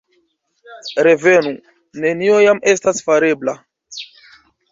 Revenu, nenio jam estas farebla!